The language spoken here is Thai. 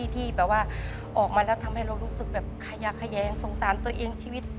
ที่แบบว่าออกมาแล้วทำให้เรารู้สึกแบบขยะแขยงสงสารตัวเองชีวิต